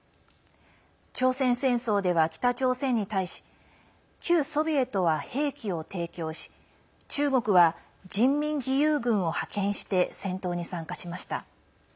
朝鮮戦争では北朝鮮側に対し旧ソビエトは兵器を提供し中国は人民義勇軍を派遣して戦闘に参加しました。